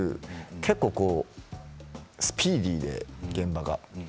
結構、スピーディーで、現場が。